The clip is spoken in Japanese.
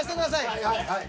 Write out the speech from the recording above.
はいはい。